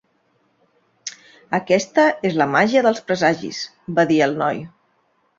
"Aquesta és la màgia dels presagis", va dir el noi.